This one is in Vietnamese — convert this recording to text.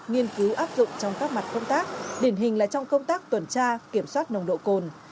nghiên cứu áp dụng trong các mặt công tác điển hình là trong công tác tuần tra kiểm soát nồng độ cồn